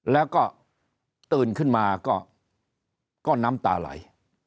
แล้วก็ตื่นขึ้นมาก็น้ำตาไหล